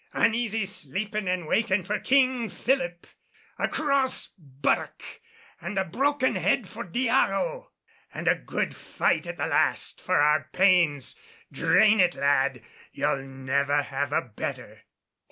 Uneasy sleepin' and wakin' for King Philip! A cross buttock and a broken head for Dyago! And a good fight at the last for our pains! Drain it, lad, you'll never have a better."